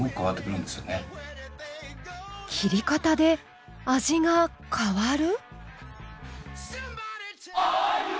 切り方で味が変わる？